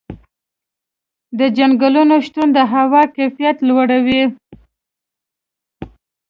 د ځنګلونو شتون د هوا کیفیت لوړوي.